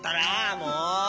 もう！